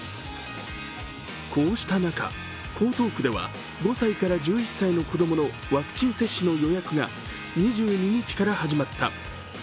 こうした中、江東区では５歳から１１歳の子供のワクチン接種の予約が２２日から始まった。